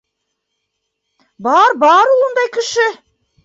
Бар, бар ул ундай кеше!